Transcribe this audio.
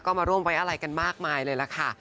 ก็มาร่วมไว้อะไรกันมากมายเลยล่ะค่ะ